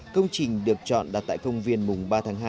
công trình được chọn đặt tại công viên mùng ba tháng hai